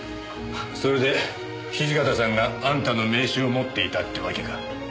それで土方さんがあんたの名刺を持っていたってわけか。